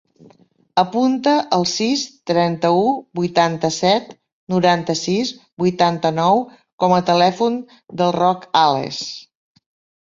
Apunta el sis, trenta-u, vuitanta-set, noranta-sis, vuitanta-nou com a telèfon del Roc Ales.